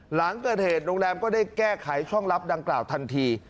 หลังเกิดเหตุโรงแรมก็ได้แก้ไขช่องลับดังกล่าวทันที